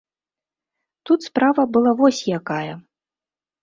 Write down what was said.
Тут справа была вось якая.